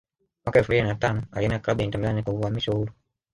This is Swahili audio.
Mwaka elfu mbili na tano alihamia klabu ya Inter Milan kwa uhamisho huru